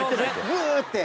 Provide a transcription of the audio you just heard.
グー！って。